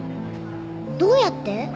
どうやって？